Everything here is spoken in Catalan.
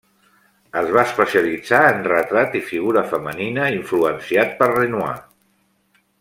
Es va especialitzar en retrat i figura femenina, influenciat per Renoir.